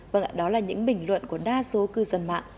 và ngay đó là những bình luận của đa số cư dân mạng